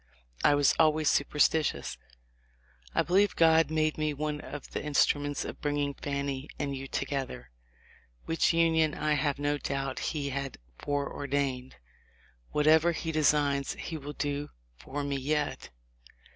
I always was superstitious, I believe God made me one of the instruments of bringing Fanny and you to gether, which union I have no doubt he had fore ordained. Whatever he designs he will do for me yet.